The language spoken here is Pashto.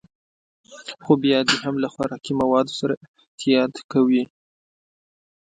خو بيا دې هم له خوراکي موادو سره احتياط کوي.